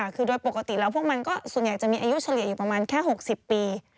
คือโดยปกติแล้วพวกมันก็ส่วนใหญ่จะมีอายุเฉลี่ยอยู่ประมาณแค่๖๐ปี